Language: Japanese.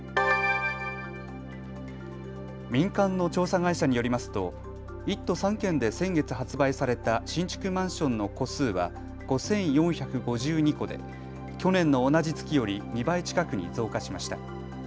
民間の調査会社によりますと１都３県で先月発売された新築マンションの戸数は５４５２戸で去年の同じ月より２倍近くに増加しました。